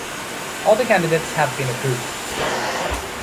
All the candidates have been approved.